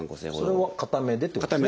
それは片目でってことですね？